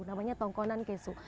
namanya tongkonan kesu